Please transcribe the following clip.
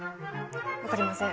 分かりません。